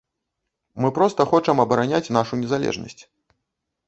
Мы проста хочам абараняць нашу незалежнасць.